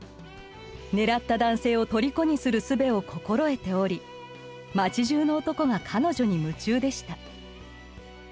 狙った男性をとりこにするすべを心得ており町じゅうの男が彼女に夢中でした。